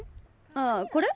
ああこれ？